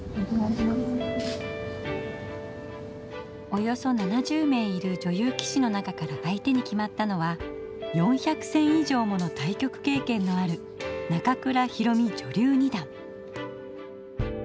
およそ７０名いる女流棋士の中から相手に決まったのは４００戦以上もの対局経験のある中倉宏美女流二段。